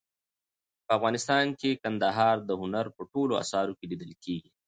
په افغانستان کې کندهار د هنر په ټولو اثارو کې لیدل کېږي.